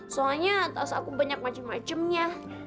soalnya tas aku banyak macem macemnya